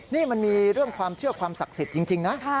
นี่มันมีเรื่องความเชื่อความศักดิ์สิทธิ์จริงนะ